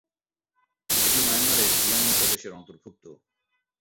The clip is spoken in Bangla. এটি মায়ানমারের ইয়াঙ্গুন প্রদেশের অন্তর্ভুক্ত।